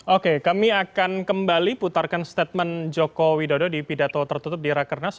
oke kami akan kembali putarkan statement joko widodo di pidato tertutup di rakernas